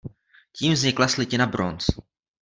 Tím vznikla slitina bronz.